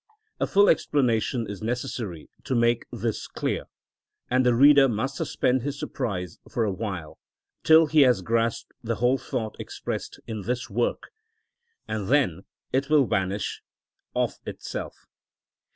A full explanation is necessary to make this clear, and the reader must suspend his surprise for a while, till he has grasped the whole thought expressed in this work, and then it will vanish of itself.